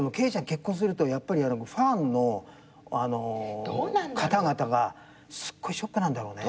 結婚するとやっぱりファンの方々がすっごいショックなんだろうね。